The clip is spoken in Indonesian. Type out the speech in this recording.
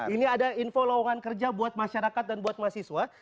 ini ada info lawangan kerja buat masyarakat dan buat mahasiswa